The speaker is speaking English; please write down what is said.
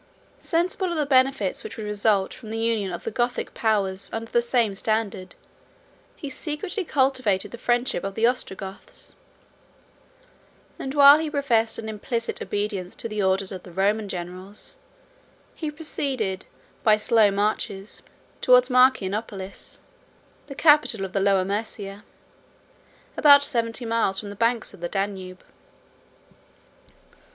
Sensible of the benefits which would result from the union of the Gothic powers under the same standard, he secretly cultivated the friendship of the Ostrogoths; and while he professed an implicit obedience to the orders of the Roman generals, he proceeded by slow marches towards Marcianopolis, the capital of the Lower Mæsia, about seventy miles from the banks of the Danube.